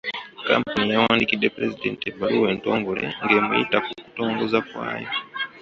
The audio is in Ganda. Kkampuni yawandiikidde pulezidenti ebbaluwa entongole ng'emuyita ku kutongoza kwayo.